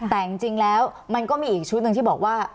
แต่จริงแล้วมันก็มีอีกชุดหนึ่งที่บอกว่า